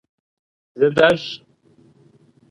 Зытӏэщӏ!